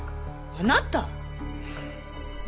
あなた！